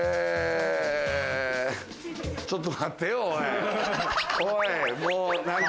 ちょっと待ってよ。